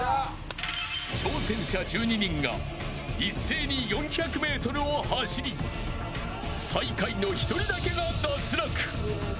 挑戦者１２人が一斉に４００ｍを走り最下位の１人だけが脱落。